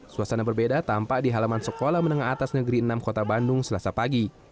suasana berbeda tampak di halaman sekolah menengah atas negeri enam kota bandung selasa pagi